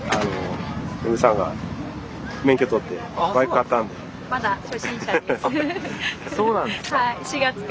あっそうなんですか。